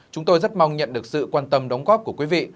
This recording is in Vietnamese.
chúng tôi rất mong nhận được sự quan tâm đóng góp của quý vị